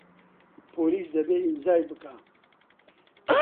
پۆلیس دەبێ ئیمزای بکا.